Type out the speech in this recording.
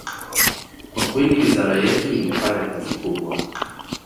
Kwa kweli wizara yetu imefanya kazi kubwa